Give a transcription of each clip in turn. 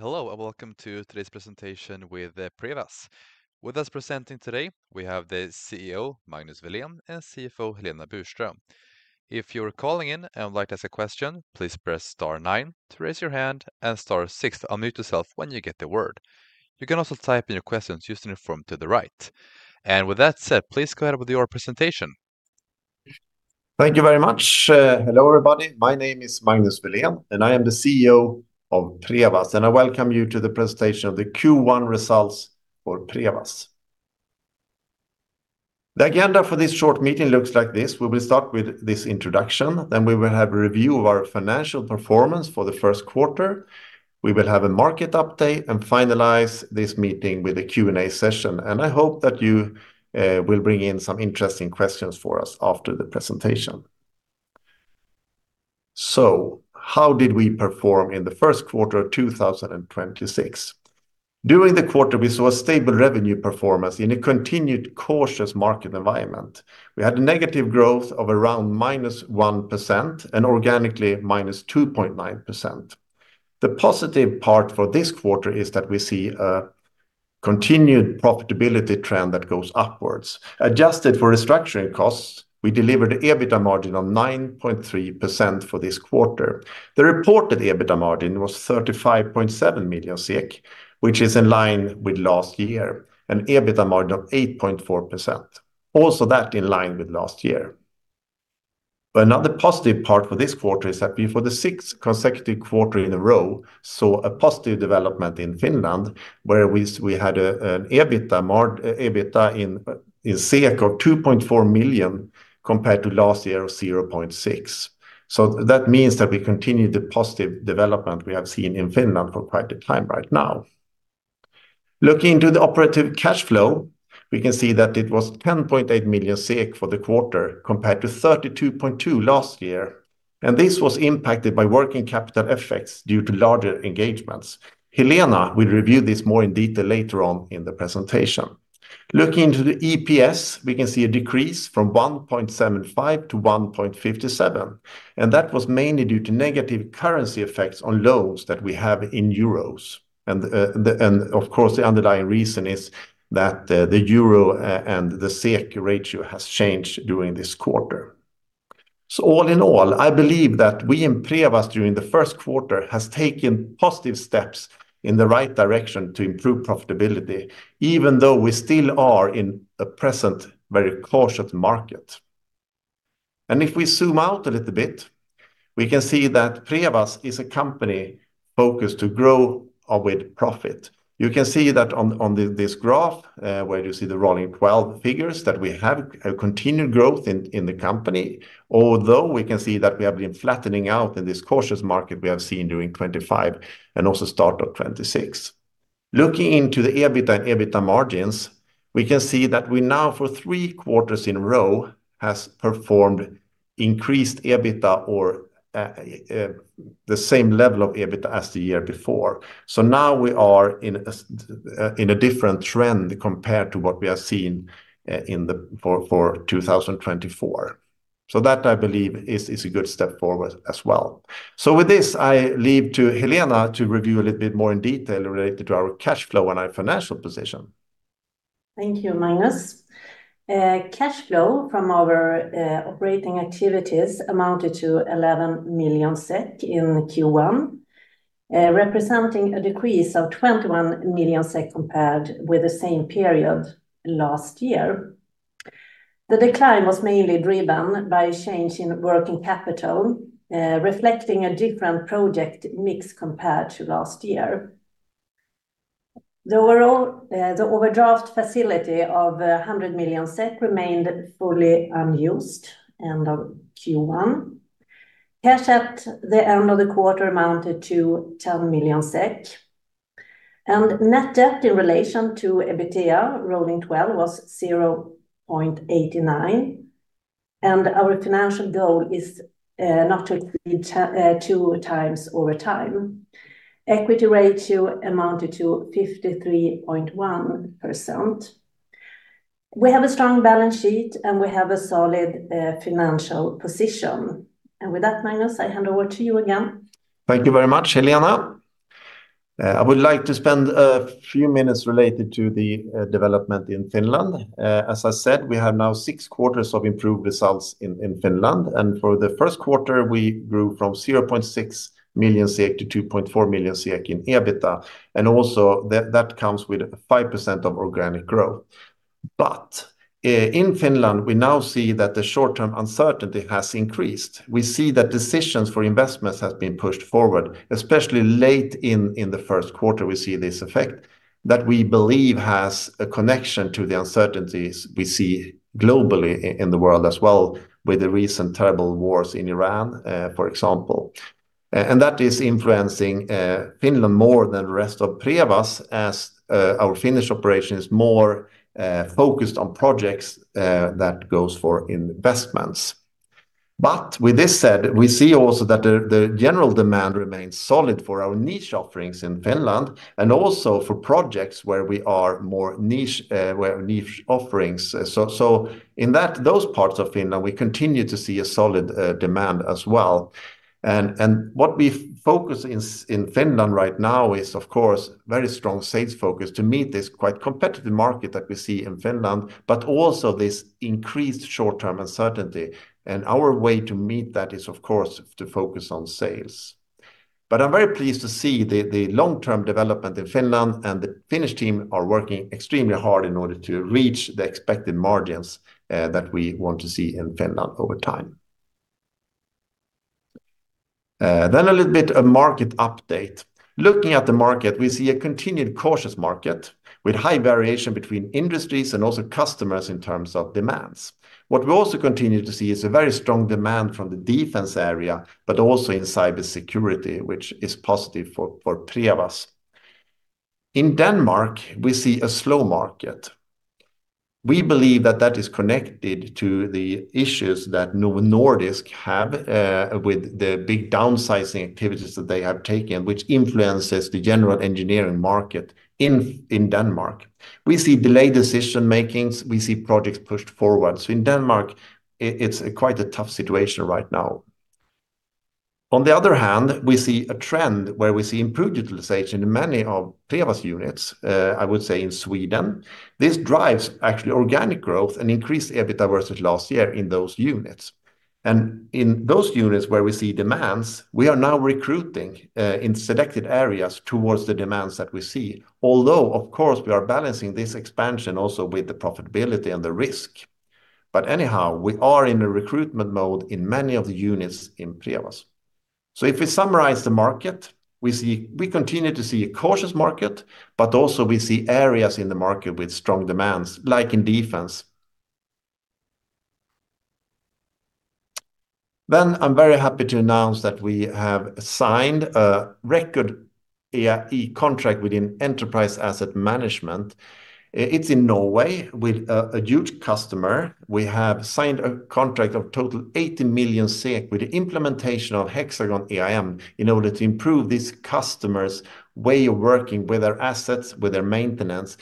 Hello, welcome to today's presentation with Prevas. With us presenting today, we have the CEO, Magnus Welén, and CFO Helena Burström. If you're calling in and would like to ask a question, please press star nine to raise your hand and star six to unmute yourself when you get the word. You can also type in your questions using the form to the right. With that said, please go ahead with your presentation. Thank you very much. Hello, everybody. My name is Magnus Welén, and I am the CEO of Prevas, and I welcome you to the presentation of the Q1 results for Prevas. The agenda for this short meeting looks like this. We will start with this introduction, then we will have a review of our financial performance for the first quarter. We will have a market update and finalize this meeting with a Q&A session. I hope that you will bring in some interesting questions for us after the presentation. How did we perform in the first quarter of 2026? During the quarter, we saw a stable revenue performance in a continued cautious market environment. We had a negative growth of around -1% and organically -2.9%. The positive part for this quarter is that we see a continued profitability trend that goes upwards. Adjusted for restructuring costs, we delivered EBITDA margin of 9.3% for this quarter. The reported EBITDA margin was 35.7 million SEK, which is in line with last year, and EBITDA margin of 8.4%. Also that in line with last year. Another positive part for this quarter is that we, for the sixth consecutive quarter in a row, saw a positive development in Finland, where we had an EBITDA in SEK of 2.4 million compared to last year of 0.6 million. That means that we continue the positive development we have seen in Finland for quite the time right now. Looking to the operative cash flow, we can see that it was 10.8 million SEK for the quarter compared to 32.2 million last year. This was impacted by working capital effects due to larger engagements. Helena will review this more in detail later on in the presentation. Looking to the EPS, we can see a decrease from 1.75 to 1.57. That was mainly due to negative currency effects on loans that we have in euros. Of course, the underlying reason is that the EUR and the SEK ratio has changed during this quarter. All in all, I believe that we in Prevas during the first quarter has taken positive steps in the right direction to improve profitability, even though we still are in a present, very cautious market. If we zoom out a little bit, we can see that Prevas is a company focused to grow with profit. You can see that on this graph, where you see the rolling twelve figures that we have a continued growth in the company. Although we can see that we have been flattening out in this cautious market we have seen during 2025 and also start of 2026. Looking into the EBITDA and EBITDA margins, we can see that we now for three quarters in a row has performed increased EBITDA or the same level of EBITDA as the year before. Now we are in a different trend compared to what we have seen for 2024. That I believe is a good step forward as well. With this, I leave to Helena to review a little bit more in detail related to our cash flow and our financial position. Thank you, Magnus. Cash flow from our operating activities amounted to 11 million SEK in Q1, representing a decrease of 21 million SEK compared with the same period last year. The decline was mainly driven by a change in working capital, reflecting a different project mix compared to last year. The overdraft facility of 100 million SEK remained fully unused end of Q1. Cash at the end of the quarter amounted to 10 million SEK. Net debt in relation to EBITDA rolling twelve was 0.89, our financial goal is not to exceed two times over time. Equity ratio amounted to 53.1%. We have a strong balance sheet, we have a solid financial position. With that, Magnus, I hand over to you again. Thank you very much, Helena. I would like to spend a few minutes related to the development in Finland. As I said, we have now six quarters of improved results in Finland. For the first quarter, we grew from 0.6 million SEK to 2.4 million SEK in EBITDA. Also that comes with 5% of organic growth. In Finland, we now see that the short-term uncertainty has increased. We see that decisions for investments have been pushed forward, especially late in the first quarter we see this effect, that we believe has a connection to the uncertainties we see globally in the world as well with the recent terrible wars in Iran, for example. That is influencing Finland more than the rest of Prevas as our Finnish operation is more focused on projects that goes for investments. With this said, we see also that the general demand remains solid for our niche offerings in Finland and also for projects where we are more niche, where niche offerings. In that, those parts of Finland, we continue to see a solid demand as well. What we focus in Finland right now is, of course, very strong sales focus to meet this quite competitive market that we see in Finland, but also this increased short-term uncertainty. Our way to meet that is, of course, to focus on sales. I'm very pleased to see the long-term development in Finland, and the Finnish team are working extremely hard in order to reach the expected margins that we want to see in Finland over time. A little bit of market update. Looking at the market, we see a continued cautious market with high variation between industries and also customers in terms of demands. What we also continue to see is a very strong demand from the defense area, but also in cybersecurity, which is positive for Prevas. In Denmark, we see a slow market. We believe that that is connected to the issues that Novo Nordisk have with the big downsizing activities that they have taken, which influences the general engineering market in Denmark. We see delayed decision-makings. We see projects pushed forward. In Denmark, it's quite a tough situation right now. On the other hand, we see a trend where we see improved utilization in many of Prevas units, I would say in Sweden. This drives actually organic growth and increased EBIT diversity last year in those units. In those units where we see demands, we are now recruiting in selected areas towards the demands that we see. Although, of course, we are balancing this expansion also with the profitability and the risk. Anyhow, we are in a recruitment mode in many of the units in Prevas. If we summarize the market, we continue to see a cautious market, but also we see areas in the market with strong demands, like in defense. I'm very happy to announce that we have signed a record EAM contract within Enterprise Asset Management. It's in Norway with a huge customer. We have signed a contract of total 80 million SEK with the implementation of Hexagon EAM in order to improve this customer's way of working with their assets, with their maintenance.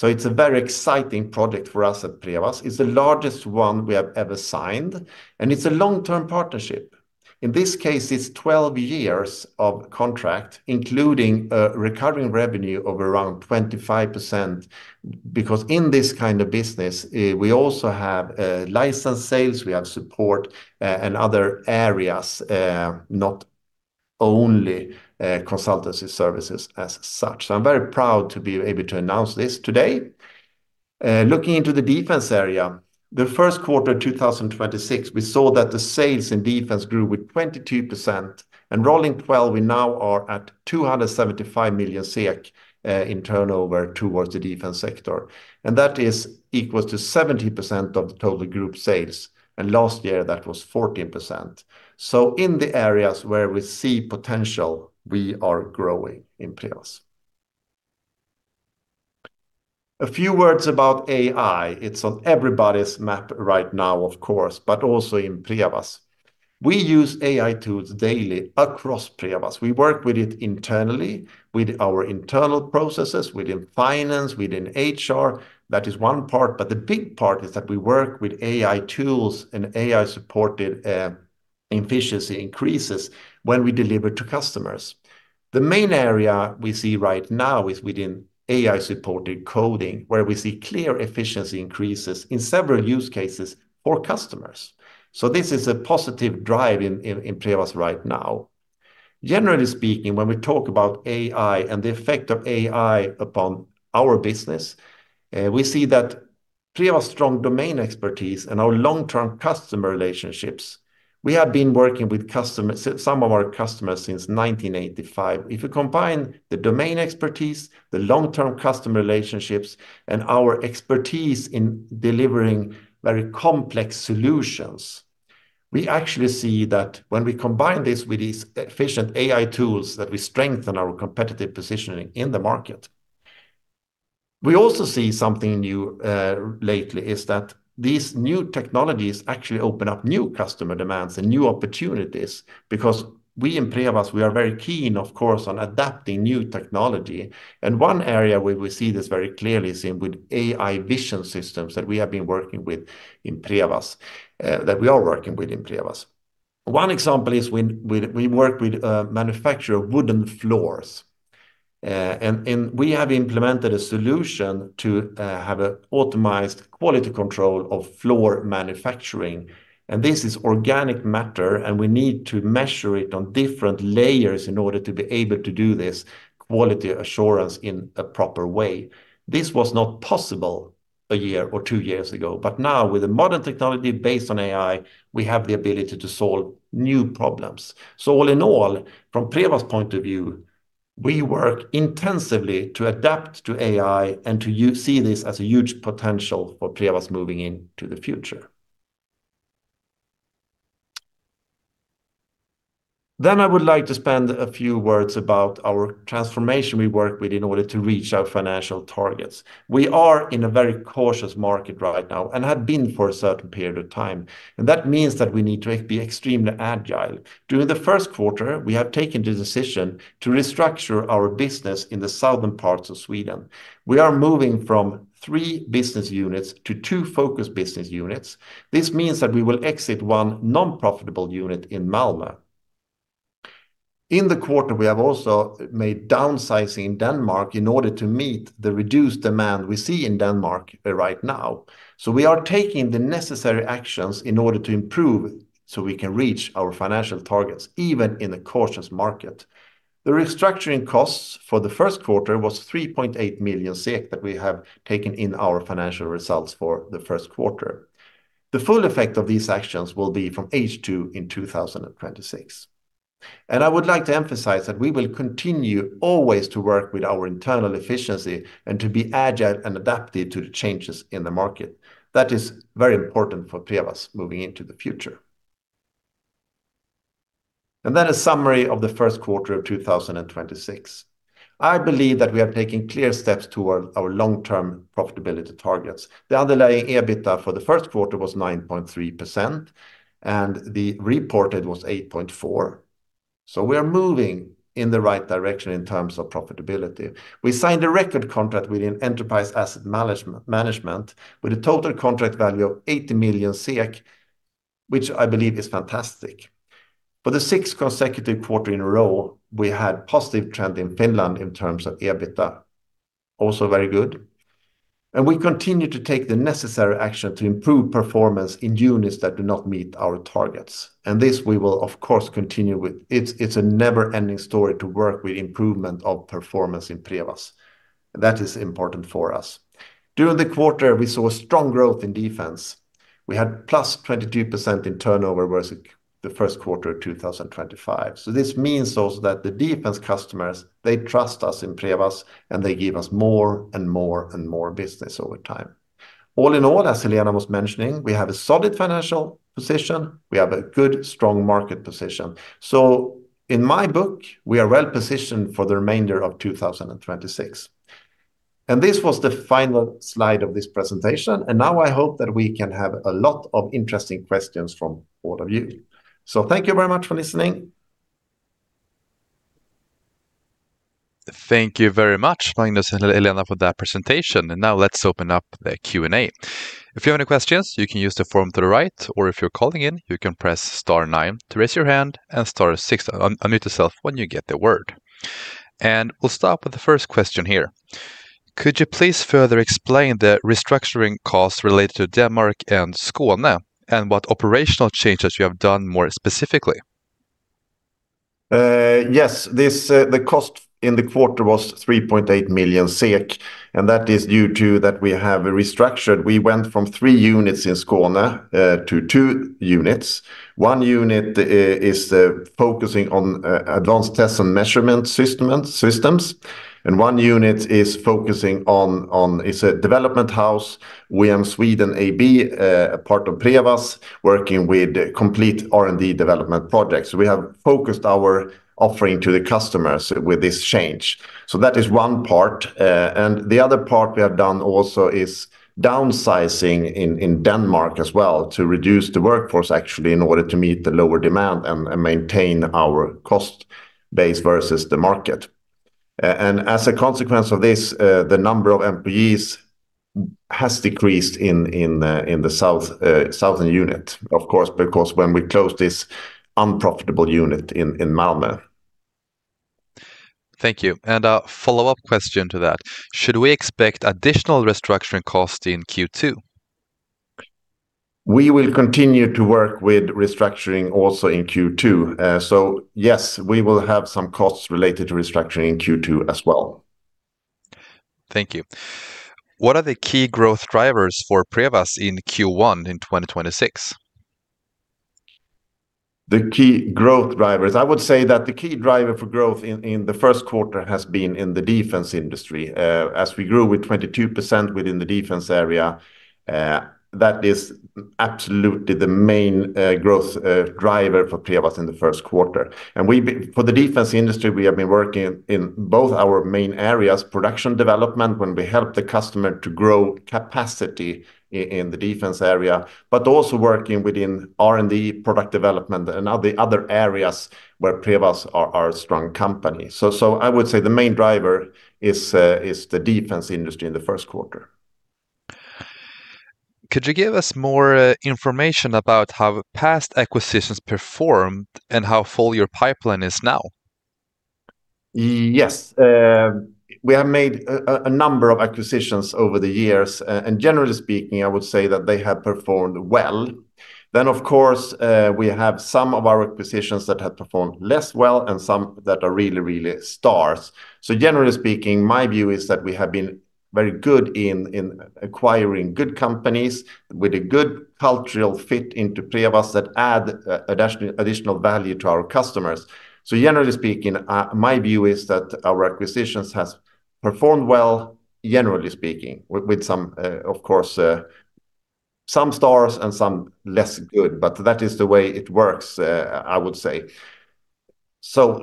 It's a very exciting project for us at Prevas. It's the largest one we have ever signed, and it's a long-term partnership. In this case, it's 12 years of contract, including recurring revenue of around 25%, because in this kind of business, we also have license sales, we have support, and other areas, not only consultancy services as such. I'm very proud to be able to announce this today. Looking into the defense area, the first quarter 2026, we saw that the sales in defense grew with 22%. Rolling 12, we now are at 275 million SEK in turnover towards the defense sector, that is equals to 70% of the total group sales. Last year, that was 14%. In the areas where we see potential, we are growing in Prevas. A few words about AI. It's on everybody's map right now, of course, but also in Prevas. We use AI tools daily across Prevas. We work with it internally with our internal processes, within finance, within HR. That is one part, but the big part is that we work with AI tools and AI-supported efficiency increases when we deliver to customers. The main area we see right now is within AI-supported coding, where we see clear efficiency increases in several use cases for customers. This is a positive drive in Prevas right now. Generally speaking, when we talk about AI and the effect of AI upon our business, we see that Prevas strong domain expertise and our long-term customer relationships, we have been working with customers, some of our customers since 1985. If you combine the domain expertise, the long-term customer relationships, and our expertise in delivering very complex solutions, we actually see that when we combine this with these efficient AI tools, that we strengthen our competitive positioning in the market. We also see something new, lately, is that these new technologies actually open up new customer demands and new opportunities because we in Prevas, we are very keen, of course, on adapting new technology. One area where we see this very clearly is in with AI vision systems that we have been working with in Prevas, that we are working with in Prevas. One example is when we work with a manufacturer of wooden floors. We have implemented a solution to have a optimized quality control of floor manufacturing, and this is organic matter, and we need to measure it on different layers in order to be able to do this quality assurance in a proper way. This was not possible one year or two years ago. Now, with the modern technology based on AI, we have the ability to solve new problems. All in all, from Prevas point of view, we work intensively to adapt to AI and to see this as a huge potential for Prevas moving into the future. I would like to spend a few words about our transformation we work with in order to reach our financial targets. We are in a very cautious market right now and have been for a certain period of time, and that means that we need to be extremely agile. During the first quarter, we have taken the decision to restructure our business in the southern parts of Sweden. We are moving from three business units to two focused business units. This means that we will exit one non-profitable unit in Malmö. In the quarter, we have also made downsizing Denmark in order to meet the reduced demand we see in Denmark right now. We are taking the necessary actions in order to improve so we can reach our financial targets, even in a cautious market. The restructuring costs for the first quarter was 3.8 million SEK that we have taken in our financial results for the first quarter. The full effect of these actions will be from H2 in 2026. I would like to emphasize that we will continue always to work with our internal efficiency and to be agile and adapted to the changes in the market. That is very important for Prevas moving into the future. A summary of the first quarter of 2026. I believe that we are taking clear steps toward our long-term profitability targets. The underlying EBITDA for the first quarter was 9.3%, and the reported was 8.4%. We are moving in the right direction in terms of profitability. We signed a record contract within Enterprise Asset Management with a total contract value of 80 million SEK, which I believe is fantastic. For the sixth consecutive quarter in a row, we had positive trend in Finland in terms of EBITDA, also very good. We continue to take the necessary action to improve performance in units that do not meet our targets. This we will, of course, continue with. It's a never-ending story to work with improvement of performance in Prevas. That is important for us. During the quarter, we saw strong growth in defense. We had +22% in turnover versus the first quarter of 2025. This means also that the defense customers, they trust us in Prevas, and they give us more and more and more business over time. All in all, as Helena was mentioning, we have a solid financial position. We have a good, strong market position. In my book, we are well-positioned for the remainder of 2026. This was the final slide of this presentation. Now I hope that we can have a lot of interesting questions from all of you. Thank you very much for listening. Thank you very much, Magnus and Helena, for that presentation. Now let's open up the Q&A. If you have any questions, you can use the form to the right, or if you're calling in, you can press star nine to raise your hand and star six, unmute yourself when you get the word. We'll start with the first question here. Could you please further explain the restructuring costs related to Denmark and Skåne and what operational changes you have done more specifically? Yes. This, the cost in the quarter was 3.8 million SEK, and that is due to that we have restructured. We went from three units in Skåne to two units. One unit is focusing on advanced tests and measurement systems, and one unit is a development house, OIM Sweden AB, a part of Prevas, working with complete R&D development projects. We have focused our offering to the customers with this change. That is one part. The other part we have done also is downsizing in Denmark as well to reduce the workforce actually in order to meet the lower demand and maintain our cost base versus the market. As a consequence of this, the number of employees has decreased in the, in the South, southern unit, of course, because when we close this unprofitable unit in Malmö. Thank you. A follow-up question to that. Should we expect additional restructuring costs in Q2? We will continue to work with restructuring also in Q2. Yes, we will have some costs related to restructuring in Q2 as well. Thank you. What are the key growth drivers for Prevas in Q1 in 2026? The key growth drivers. I would say that the key driver for growth in the first quarter has been in the defense industry. As we grew with 22% within the defense area, that is absolutely the main growth driver for Prevas in the first quarter. For the defense industry, we have been working in both our main areas, production development, when we help the customer to grow capacity in the defense area, but also working within R&D product development and now the other areas where Prevas are a strong company. I would say the main driver is the defense industry in the first quarter. Could you give us more information about how past acquisitions performed and how full your pipeline is now? Yes. We have made a number of acquisitions over the years, generally speaking, I would say that they have performed well. Of course, we have some of our acquisitions that have performed less well and some that are really stars. Generally speaking, my view is that we have been very good in acquiring good companies with a good cultural fit into Prevas that add additional value to our customers. Generally speaking, my view is that our acquisitions has performed well, generally speaking, with some, of course, some stars and some less good, but that is the way it works, I would say.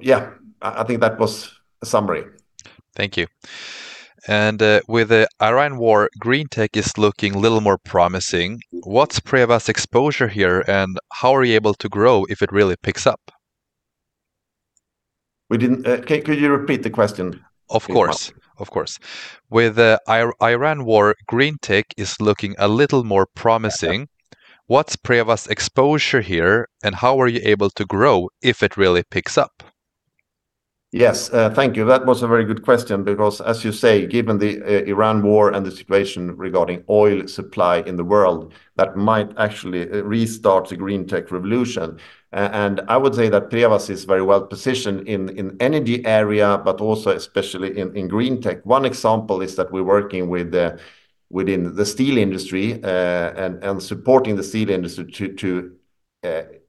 Yeah, I think that was a summary. Thank you. With the Iran war, green tech is looking a little more promising. What's Prevas exposure here, and how are you able to grow if it really picks up? We didn't. Could you repeat the question please? Of course. Of course. With Iran war, green tech is looking a little more promising. What's Prevas exposure here, and how are you able to grow if it really picks up? Yes, thank you. That was a very good question because, as you say, given the Iran war and the situation regarding oil supply in the world, that might actually restart the green tech revolution. I would say that Prevas is very well positioned in energy area, but also especially in green tech. One example is that we're working within the steel industry, and supporting the steel industry to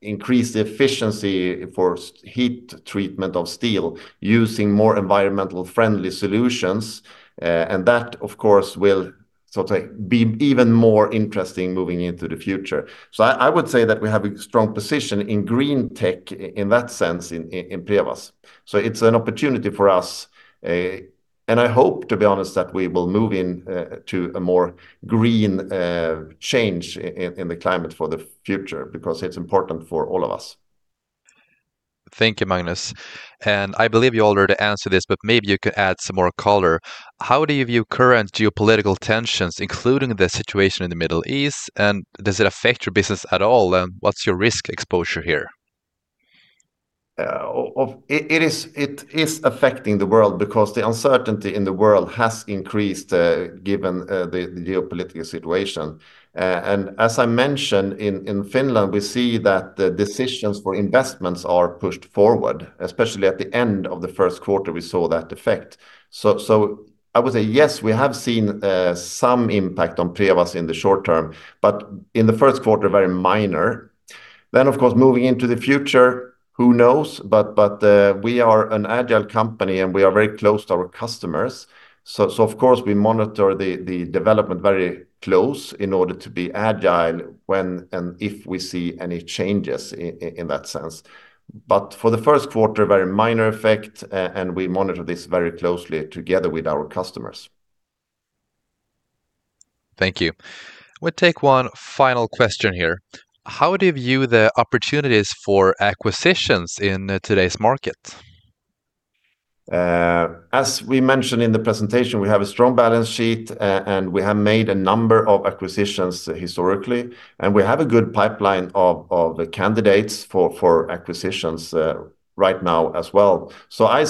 increase the efficiency for heat treatment of steel using more environmental-friendly solutions. That, of course, will sort of be even more interesting moving into the future. I would say that we have a strong position in green tech in that sense in Prevas. It's an opportunity for us, and I hope, to be honest, that we will move in, to a more green, change in the climate for the future because it's important for all of us. Thank you, Magnus. I believe you already answered this, but maybe you could add some more color. How do you view current geopolitical tensions, including the situation in the Middle East, and does it affect your business at all, and what's your risk exposure here? It is affecting the world because the uncertainty in the world has increased, given the geopolitical situation. As I mentioned, in Finland, we see that the decisions for investments are pushed forward, especially at the end of the 1st quarter we saw that effect. I would say yes, we have seen some impact on Prevas in the short term, but in the 1st quarter, very minor. Of course, moving into the future, who knows? We are an agile company, and we are very close to our customers, of course, we monitor the development very close in order to be agile when and if we see any changes in that sense. For the 1st quarter, very minor effect, and we monitor this very closely together with our customers. Thank you. We'll take one final question here. How do you view the opportunities for acquisitions in today's market? As we mentioned in the presentation, we have a strong balance sheet, and we have made a number of acquisitions historically, and we have a good pipeline of the candidates for acquisitions right now as well. I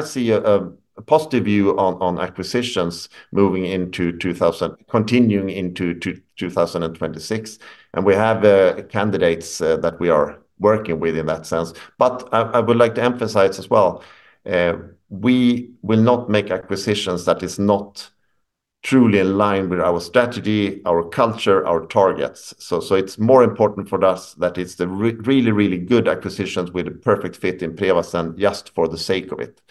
see a positive view on acquisitions moving into 2026, and we have candidates that we are working with in that sense. I would like to emphasize as well, we will not make acquisitions that is not truly aligned with our strategy, our culture, our targets. It's more important for us that it's the really, really good acquisitions with a perfect fit in Prevas than just for the sake of it,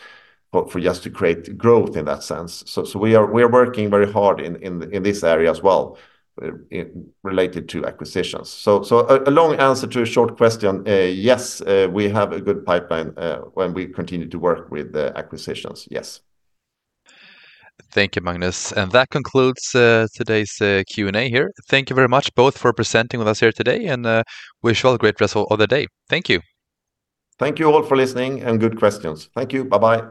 but for just to create growth in that sense. We are working very hard in this area as well, related to acquisitions. A long answer to a short question, yes, we have a good pipeline when we continue to work with the acquisitions. Yes. Thank you, Magnus. That concludes today's Q&A here. Thank you very much both for presenting with us here today, and wish you all a great rest of the day. Thank you. Thank you all for listening. Good questions. Thank you. Bye-bye.